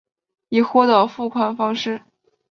以货到付款方式